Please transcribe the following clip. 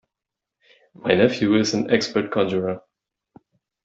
My nephew is an expert conjurer.